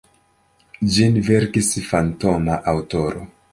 Ĝin verkis fantoma aŭtoro.